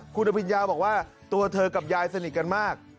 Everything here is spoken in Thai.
คุณอภิญญาบอกว่าตัวเธอกับยายสนิทกันมาก